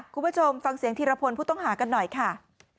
คุณผู้ชมฟังเสียงธีรพลผู้ต้องหากันหน่อยค่ะ